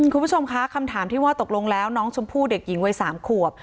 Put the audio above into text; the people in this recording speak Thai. คุณผู้ชมคะคำถามที่ว่าตกลงแล้วน้องชมพู่เด็กหญิงวัย๓ขวบ